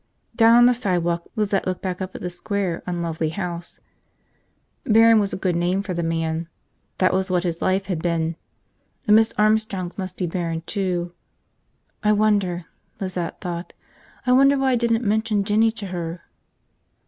Down on the sidewalk, Lizette looked back up at the square, unlovely house. Barron was a good name for the man, that was what his life had been. And Miss Armstrong's must be barren, too. I wonder, Lizette thought, I wonder why I didn't mention Jinny to her?